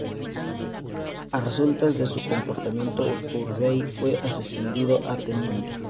A resultas de su comportamiento, Urtubey fue ascendido a teniente.